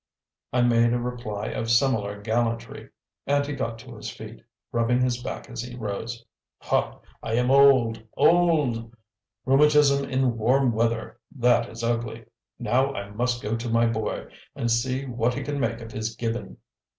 I made a reply of similar gallantry and he got to his feet, rubbing his back as he rose. "Ha, I am old! old! Rheumatism in warm weather: that is ugly. Now I must go to my boy and see what he can make of his Gibbon.